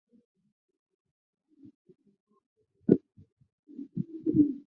维尔纽斯电视塔是立陶宛最高的建筑物。